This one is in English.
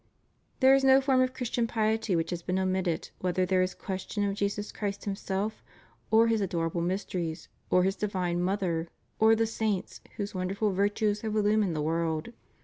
There is no form of Christian piety which has been omitted whether there is question of Jesus Christ Himself, or His adorable mysteries, or His divine Mother, or the saints whose wonderful virtues have illumined the world.